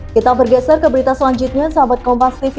kita bergeser ke berita selanjutnya sahabat kompas tv